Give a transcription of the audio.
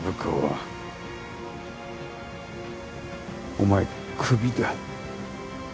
お前クビだ。